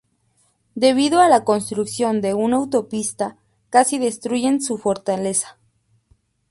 Debido a la construcción de una autopista casi destruyen su fortaleza.